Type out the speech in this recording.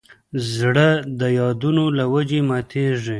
زړه د یادونو له وجې ماتېږي.